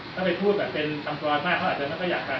ถ้าไปพูดแบบเป็นคำกรมากเขาอาจจะไม่ค่อยอยากกลับ